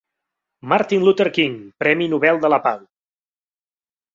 Martin Luther King, premi Nobel de la pau.